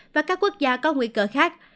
và các quốc gia có nguy cơ khác